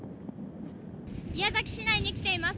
宮崎市内に来ています